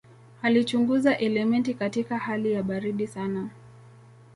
Alichunguza elementi katika hali ya baridi sana.